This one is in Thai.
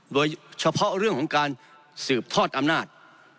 โดยเฉพาะเรื่องของการสืบทอดอำนาจ